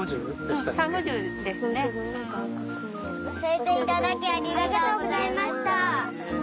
おしえていただきありがとうございました。